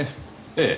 ええ。